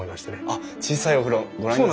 あっ小さいお風呂ご覧に。